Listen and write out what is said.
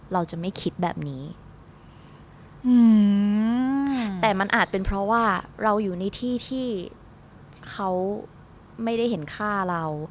เราจะไม่คิดแบบนี้อืมแต่มันอาจเป็นเพราะว่าเราอยู่ในที่ที่เขาไม่ได้เห็นค่าเรา